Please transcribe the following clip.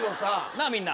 なあみんな。